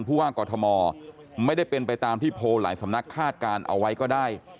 ผู้ว่ากอทมไม่ได้เป็นไปตามที่โพลหลายสำนักคาดการณ์เอาไว้ก็ได้